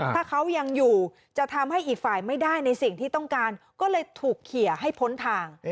ถ้าเขายังอยู่จะทำให้อีกฝ่ายไม่ได้ในสิ่งที่ต้องการก็เลยถูกเขียร์ให้พ้นทาง